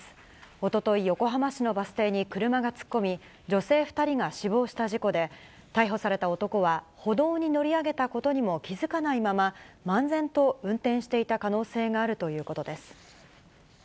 おととい、横浜市のバス停に車が突っ込み、女性２人が死亡した事故で、逮捕された男は歩道に乗り上げたことにも気付かないまま、漫然と運転していた可能性があるということです。